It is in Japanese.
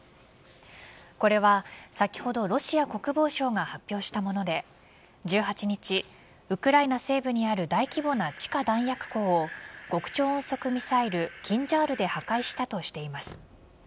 これは先ほどロシア国防省が発表したもので１８日、ウクライナ西部にある大規模な地下弾薬庫を極超音速ミサイルキンジャールで破壊したとしています。